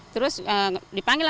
terus dipanggil aja